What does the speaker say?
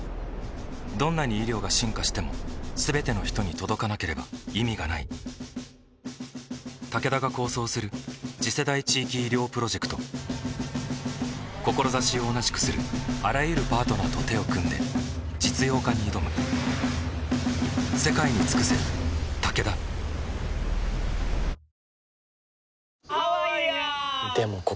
どんなに医療が進化しても全ての人に届かなければ意味がないタケダが構想する次世代地域医療プロジェクト志を同じくするあらゆるパートナーと手を組んで実用化に挑むいってらっしゃい！